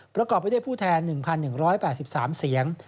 ประกอบไปด้วยผู้แทน๑๑๘๓เสียง